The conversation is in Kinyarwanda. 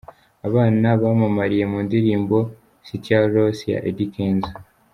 Abana bamamariye mu ndirimbo 'Sitya Loss' ya Eddy Kenzo .